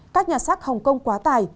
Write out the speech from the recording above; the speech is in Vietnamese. các nhà sát hồng kông quá tài